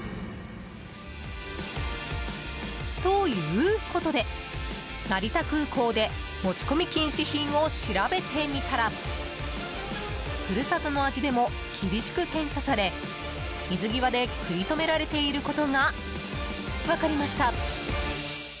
ということで成田空港で持ち込み禁止品を調べてみたら故郷の味でも厳しく検査され水際で食い止められていることが分かりました。